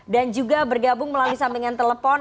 dan juga bergabung melalui sambungan telepon